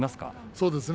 そうですね